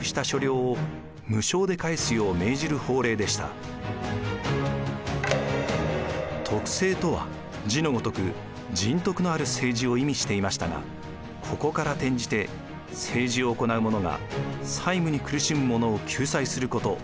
これは徳政とは字のごとく「仁徳のある政治」を意味していましたがここから転じて政治を行う者が債務に苦しむ者を救済すること